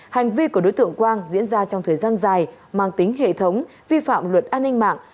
hành vi của đối tượng quang diễn ra trong thời gian dài mang tính hệ thống vi phạm luật an ninh mạng